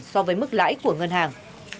so với mức lãi của ngân hàng